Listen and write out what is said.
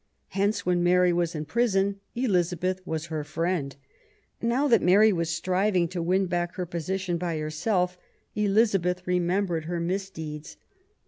Hence when Mary was in prison, Elizabeth was her friend ; now that Mary was striving to win back her position by herself, Elizabeth remembered her misdeeds.